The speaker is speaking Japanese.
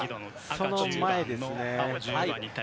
その前ですね。